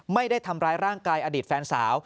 ไม่ได้ทำร้ายร่างกายอดีตแฟนสาว